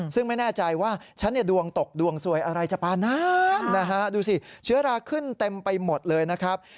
ซึ่งไม่แน่ใจว่าฉันเนี่ยดวงตกดวงสวยอะไรจะปานานนะฮะดูสิเชื้อราขึ้นเต็มไปหมดเลยนะครับ